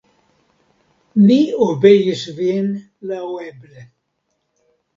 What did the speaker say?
Ni obeis vin laŭeble.